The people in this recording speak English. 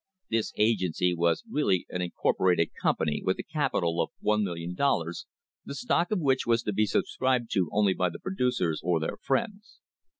* This agency was really an incorporated company with a capital of one million dollars, the stock of which was to be subscribed to only by the pro ducers or their friends.